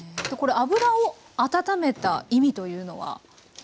これ油を温めた意味というのは？